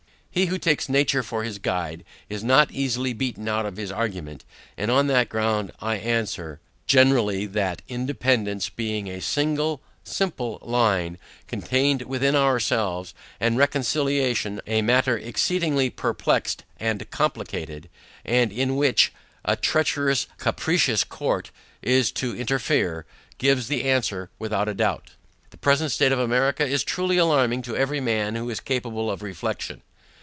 He who takes nature for his guide is not easily beaten out of his argument, and on that ground, I answer GENERALLY THAT INDEPENDANCE BEING A SINGLE SIMPLE LINE, CONTAINED WITHIN OURSELVES; AND RECONCILIATION, A MATTER EXCEEDINGLY PERPLEXED AND COMPLICATED, AND IN WHICH, A TREACHEROUS CAPRICIOUS COURT IS TO INTERFERE, GIVES THE ANSWER WITHOUT A DOUBT. The present state of America is truly alarming to every man who is capable of reflexion.